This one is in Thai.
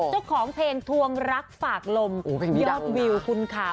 เจ้าของเพลงทวงรักฝากลมยอดวิวคุณค่ะ